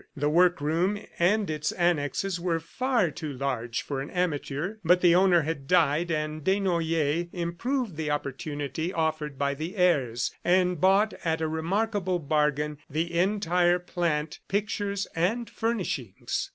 The workroom and its annexes were far too large for an amateur, but the owner had died, and Desnoyers improved the opportunity offered by the heirs, and bought at a remarkable bargain, the entire plant, pictures and furnishings.